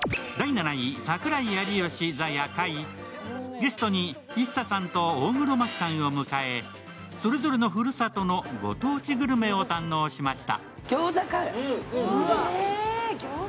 ゲストにＩＳＳＡさんと大黒摩季さんを迎えそれぞれのふるさとのご当地グルメを堪能しました。